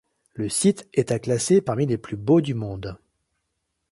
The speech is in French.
Le site est à classer parmi les plus beaux du monde.